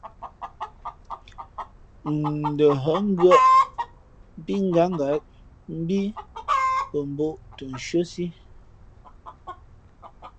N ndα hά ngʉᾱʼ pí ngánga mbí pαmbᾱ ō tα nshʉ́άsí.